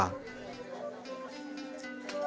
namun kebanyakan anak anak juga bisa menggunakan kojok kojok baca